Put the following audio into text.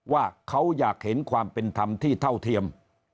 ว่าเขาอยากเห็นความเป็นธรรมที่เท่าเทียม